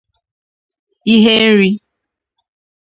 ihe nri